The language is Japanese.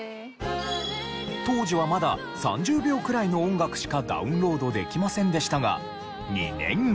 当時はまだ３０秒くらいの音楽しかダウンロードできませんでしたが２年後。